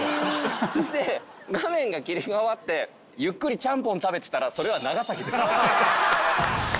で画面が切り替わってゆっくりちゃんぽん食べてたらそれは長崎です。